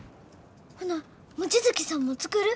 ほな望月さんも作る？